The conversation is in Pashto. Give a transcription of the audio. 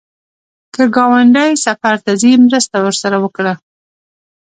که ګاونډی سفر ته ځي، مرسته ورسره وکړه